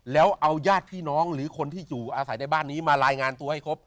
แล้วเอาญาติพี่น้องหรือคนที่อยู่อาศัยในบ้านนี้มารายงานตัวให้ครบ